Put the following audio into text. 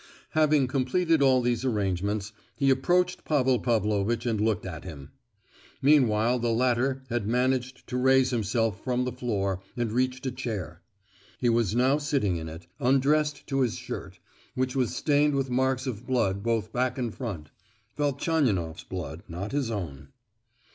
Having completed all these arrangements, he approached Pavel Pavlovitch and looked at him. Meanwhile the latter had managed to raise himself from the floor and reach a chair; he was now sitting in it—undressed to his shirt, which was stained with marks of blood both back and front—Velchaninoff's blood, not his own.